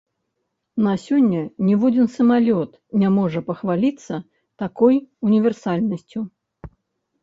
На сёння ніводзін самалёт не можа пахваліцца такой універсальнасцю.